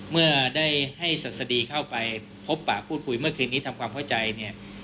เมื่อได้ให้ศัษฎีเข้าไปพบปะพูดคุยเมื่อคืนนี้ทำความเข้าใจเนี่ย